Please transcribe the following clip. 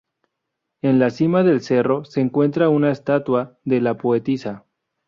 En la cima del cerro se encuentra una estatua de la poetisa.